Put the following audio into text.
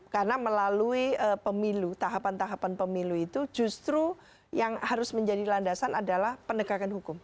karena melalui pemilu tahapan tahapan pemilu itu justru yang harus menjadi landasan adalah penegakan hukum